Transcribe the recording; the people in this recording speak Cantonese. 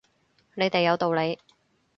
你哋有道理